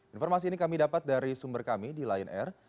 informasi ini kami dapat dari sumber kami di lion air